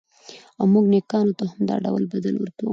او موږ نېکانو ته همدا ډول بدل ورکوو.